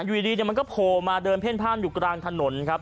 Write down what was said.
อยู่ดีมันก็โผล่มาเดินเพ่นพ่านอยู่กลางถนนครับ